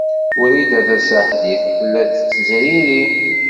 Wrida Tasaḥlit tella tettezriri.